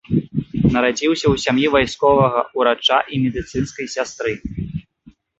Нарадзіўся ў сям'і вайсковага ўрача і медыцынскай сястры.